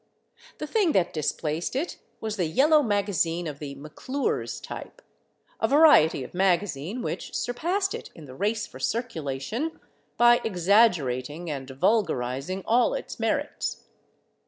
The thing that displaced it was the yellow magazine of the McClure's type—a variety of magazine which surpassed it in the race for circulation by exaggerating and vulgarizing all its merits.